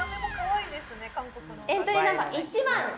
エントリーナンバー１番